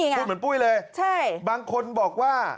เหมือนปุ้ยเลยบางคนบอกว่า